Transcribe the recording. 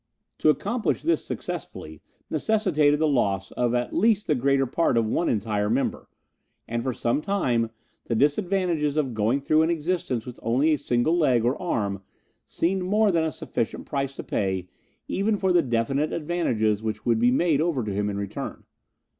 To accomplish this successfully necessitated the loss of at least the greater part of one entire member, and for some time the disadvantages of going through an existence with only a single leg or arm seemed more than a sufficient price to pay even for the definite advantages which would be made over to him in return.